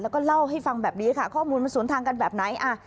แล้วก็เล่าให้ฟังแบบนี้ค่ะข้อมูลมันสวนทางกันแบบไหน